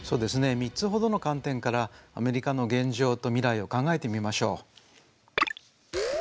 ３つほどの観点からアメリカの現状と未来を考えてみましょう。